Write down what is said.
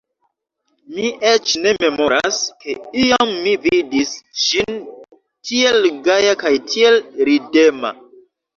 Mi eĉ ne memoras, ke iam mi vidis ŝin tiel gaja kaj tiel ridema.